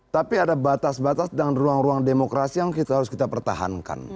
tapi ada batas batas dan ruang ruang demokrasi yang harus kita pertahankan